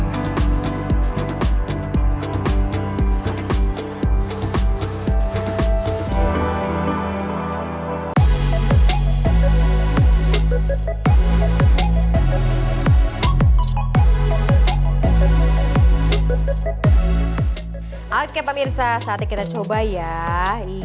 sampai ketemu lagi